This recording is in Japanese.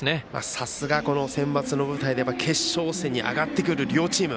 さすがセンバツの舞台で決勝戦に上がってくる両チーム。